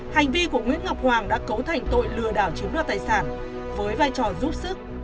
hành vi của nguyễn ngọc hoàng đã cấu thành tội lừa đảo chiếm đoạt tài sản với vai trò giúp sức